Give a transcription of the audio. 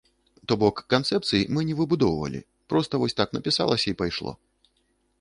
То бок канцэпцый мы не выбудоўвалі, проста вось так напісалася і пайшло.